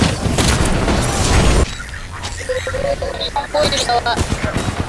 Kundi la waasi limedai kuhusika na shambulizi la Jamhuri ya Kidemocrasia ya Kongo lililouwa watu kumi na tano